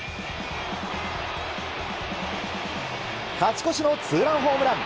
勝ち越しのツーランホームラン。